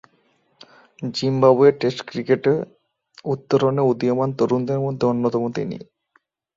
জিম্বাবুয়ের টেস্ট ক্রিকেটে উত্তরণে উদীয়মান তরুণদের মধ্যে অন্যতম তিনি।